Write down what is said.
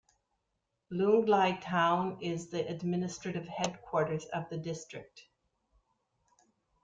Lunglei town is the administrative headquarters of the district.